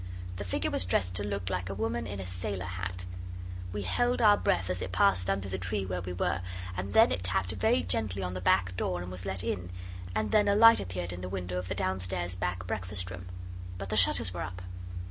The figure was dressed to look like a woman in a sailor hat. We held our breath as it passed under the tree where we were, and then it tapped very gently on the back door and was let in, and then a light appeared in the window of the downstairs back breakfast room. But the shutters were up.